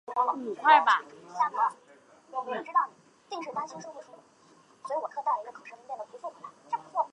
李世鹤多次被提名为工程院院士。